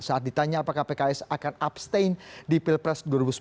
saat ditanya apakah pks akan abstain di pilpres dua ribu sembilan belas